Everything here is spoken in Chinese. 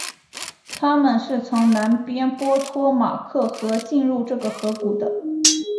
他们是从南边波托马克河进入这个河谷的。